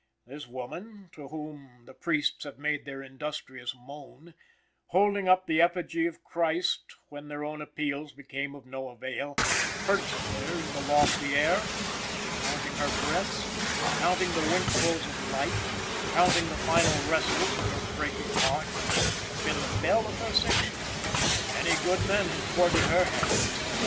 This woman, to whom, the priests have made their industrious moan, holding up the effigy of Christ when their own appeals became of no avail, perched there in the lofty air, counting her breaths, counting the winkfuls of light, counting the final wrestles of her breaking heart, had been the belle of her section, and many good men had courted her hand.